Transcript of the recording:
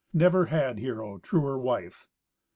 Never had hero truer wife.